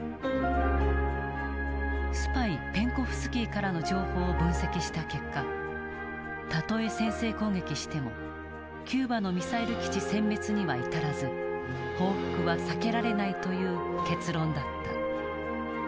スパイペンコフスキーからの情報を分析した結果たとえ先制攻撃してもキューバのミサイル基地せん滅には至らず報復は避けられないという結論だった。